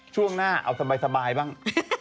ช่วงหน้าเอาสบายบ้าง